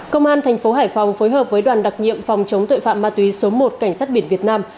công an thành phố hải phòng phối hợp với đoàn đặc nhiệm phòng chống tội phạm ma túy số một cảnh sát biển việt nam